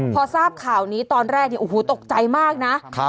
พอทราบข่าวนี้ตอนแรกเนี่ยโอ้โหตกใจมากนะ